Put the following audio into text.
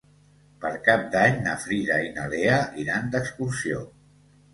Per Cap d'Any na Frida i na Lea iran d'excursió.